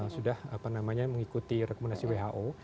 sudah mengikuti rekomendasi who